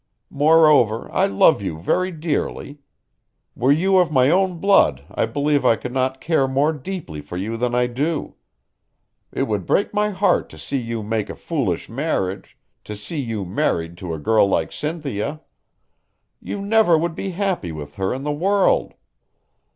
Moreover, I love you very dearly. Were you of my own blood I believe I could not care more deeply for you than I do. It would break my heart to see you make a foolish marriage to see you married to a girl like Cynthia. You never would be happy with her in the world.